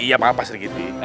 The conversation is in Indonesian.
iya pak pak srikiti